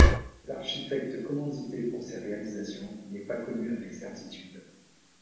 L'architecte commandité pour ces réalisations n'est pas connu avec certitude.